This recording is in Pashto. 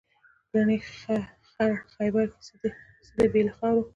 ګنې خړ خیبر کې څه دي بې له خاورو.